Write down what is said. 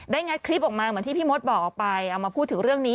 งัดคลิปออกมาเหมือนที่พี่มดบอกออกไปเอามาพูดถึงเรื่องนี้